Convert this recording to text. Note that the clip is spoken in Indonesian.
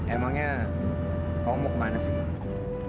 emangnya kau mau kemana sih